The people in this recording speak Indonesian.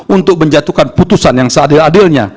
untuk menjatuhkan putusan yang seadil adilnya